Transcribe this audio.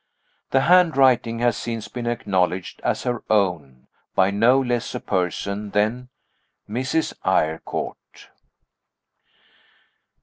The handwriting has since been acknowledged as her own, by no less a person than Mrs. Eyrecourt.